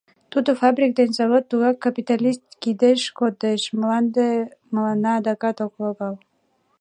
Тудо фабрик ден завод тугак капиталист кидеш кодеш, мланде мыланна адакат ок логал.